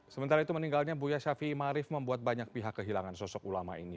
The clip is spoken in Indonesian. sementara itu meninggalnya buya shafi'i ma'arif membuat banyak pihak kehilangan sosok ulama ini